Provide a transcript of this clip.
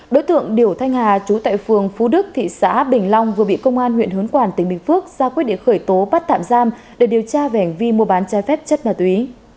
đối tượng điều thanh hà trú tại phường phú đức thị xã bình long vừa bị công an huyện hướng quản tỉnh bình phước ra quyết định khởi tố bắt thảm giam để điều tra về hành vi mua bán chai phép chất ma túy